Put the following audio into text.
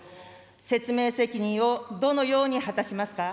説明責任をどのように果たしますか。